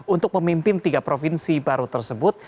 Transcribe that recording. untuk memimpin tiga provinsi baru tersebut